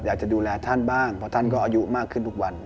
อยากจะดูแลท่านบ้างเพราะท่านก็อายุมากขึ้นทุกวัน